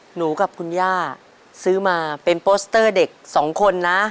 หนูกับคุณย่าซื้อมาเป็นโปสเตอร์เด็กสองคนนะ